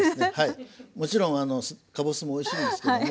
もちろんかぼすもおいしいんですけども。